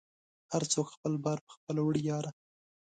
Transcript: هر څوک خپل بار په خپله وړی یاره